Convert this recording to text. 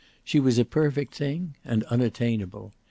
She was a perfect thing, and unattainable.